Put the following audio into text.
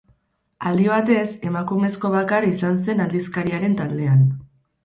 Aldi batez, emakumezko bakar izan zen aldizkariaren taldean.